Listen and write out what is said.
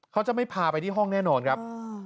เขาจะไม่พาไปที่ห้องแน่นอนครับ